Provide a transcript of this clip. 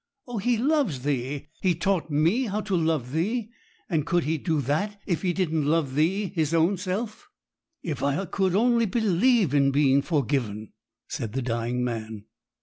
Oh, He loves thee! He taught me how to love thee; and could He do that if He didn't love thee His own self?' 'If I could only believe in being forgiven!' said the dying man.